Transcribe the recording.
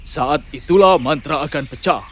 saat itulah mantra akan pecah